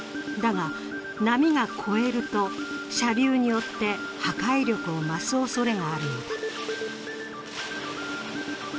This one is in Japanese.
だが、波が越えると射流によって破壊力を増すおそれがあるのだ。